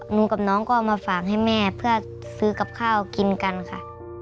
หนูกับน้องก็เอามาฝากให้แม่เพื่อซื้อกับข้าวกินกันค่ะ